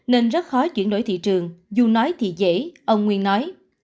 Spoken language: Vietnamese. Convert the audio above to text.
nên rất khó chuyển đổi thị trường dù nói thì dễ ông nguyên nói